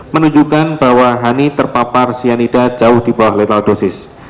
menunjukkan bahwa hani terpapar sianida jauh dibawah letal dosis